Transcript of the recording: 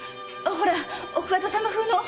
ほら奥方様風の。